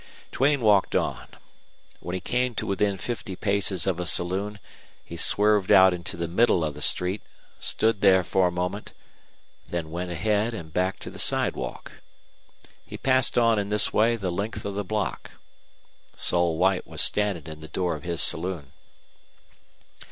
Duane walked on. When he came to within fifty paces of a saloon he swerved out into the middle of the street, stood there for a moment, then went ahead and back to the sidewalk. He passed on in this way the length of the block. Sol White was standing in the door of his saloon.